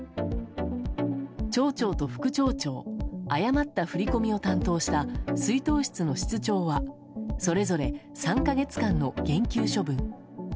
町長と副町長誤った振り込みを担当した出納室の室長はそれぞれ３か月間の減給処分。